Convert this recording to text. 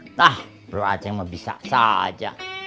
tidak bro aceng bisa saja